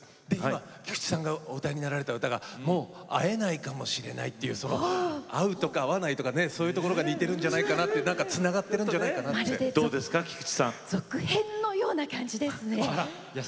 菊池さんがお歌いになられたのが「もう逢えないかもしれない」逢うとか逢わないとかそういうところが似ているんじゃないかなつながってるんじゃないかなと続編のような感じですね。